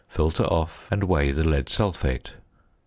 Filter off, and weigh the lead sulphate.